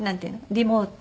リモート。